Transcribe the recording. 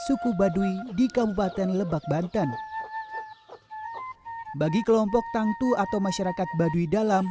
suku baduy di kabupaten lebak banten bagi kelompok tangtu atau masyarakat baduy dalam